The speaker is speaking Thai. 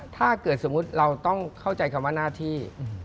ถ้าเกิดสมมุติเราต้องเข้าใจคำว่าหน้าที่